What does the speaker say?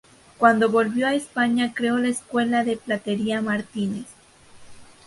Cuando volvió a España creó la "Escuela de Platería Martínez".